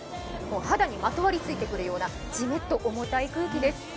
肌にまとわりついてくるようなジメッと重たい空気です。